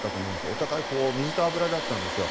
お互い水と油だったんです。